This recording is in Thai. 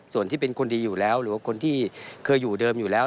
ส่วนที่เป็นคนดีอยู่แล้วหรือว่าคนที่เคยอยู่เดิมอยู่แล้ว